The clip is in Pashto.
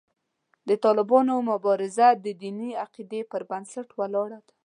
د طالبانو مبارزه د دیني عقیدې پر بنسټ ولاړه ده.